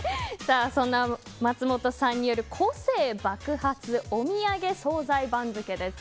そんな松本さんによる個性爆発おみやげ総菜番付です。